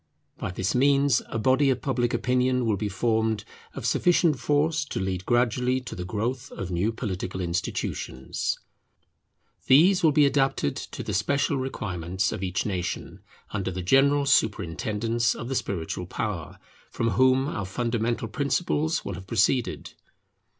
By this means a body of public opinion will be formed of sufficient force to lead gradually to the growth of new political institutions. These will be adapted to the special requirements of each nation, under the general superintendence of the spiritual power, from whom our fundamental principles will have proceeded.